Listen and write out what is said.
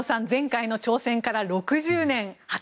前回の挑戦から６０年。